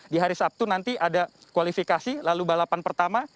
di hari sabtu nanti ada kualifikasi lalu balapan pertama